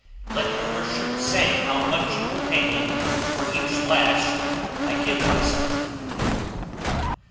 Let your worship say how much you will pay me for each lash I give myself."